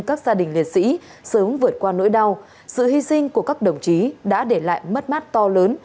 các gia đình liệt sĩ sớm vượt qua nỗi đau sự hy sinh của các đồng chí đã để lại mất mát to lớn